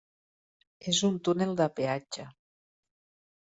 És un túnel de peatge.